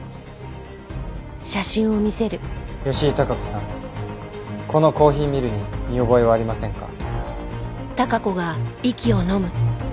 吉井貴子さんこのコーヒーミルに見覚えはありませんか？